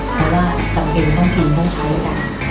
เพราะว่าจำเป็นว่าต้องกินน้องเขาด้วยกัน